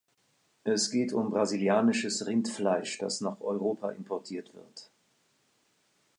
Es geht um brasilianisches Rindfleisch, das nach Europa importiert wird.